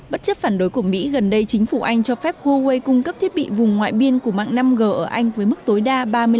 bất chấp phản đối của mỹ gần đây chính phủ anh cho phép huawei cung cấp thiết bị vùng ngoại biên của mạng năm g ở anh với mức tối đa ba mươi năm